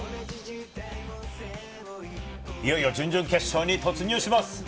いよいよ準々決勝に突入します。